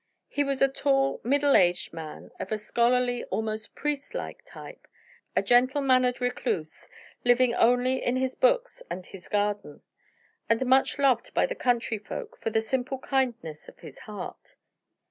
He was a tall, middle aged man of a scholarly, almost priest like, type, a gentle mannered recluse, living only in his books and his garden, and much loved by the country folk for the simple kindness of his heart.